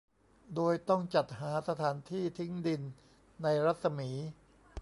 โดยต้องจัดหาสถานที่ทิ้งดินในรัศมี